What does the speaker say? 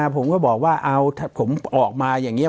ผมก็บอกว่าเอาผมออกมาอย่างนี้